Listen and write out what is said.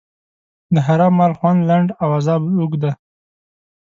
د حرام مال خوند لنډ او عذاب اوږد دی.